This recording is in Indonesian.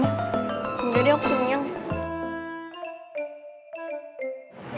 udah deh aku penyeng